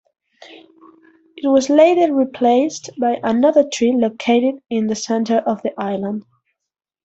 It was later replaced by another tree located in the centre of the island.